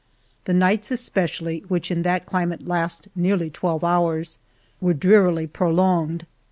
The nights especially, which in that climate last nearly twelve hours, were drearily prolonged.